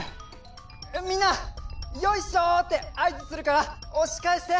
みんな「よいっしょ！」ってあいずするからおしかえして！